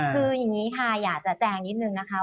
คืออย่างนี้ค่ะอยากจะแจงนิดนึงนะคะ